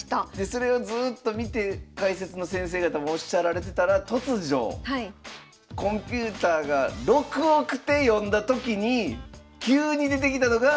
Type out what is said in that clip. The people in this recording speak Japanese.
それをずっと見て解説の先生方もおっしゃられてたら突如コンピュータが６億手読んだときに急に出てきたのが。